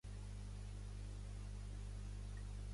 Jo no podria —em diu la finestra del meu despatx.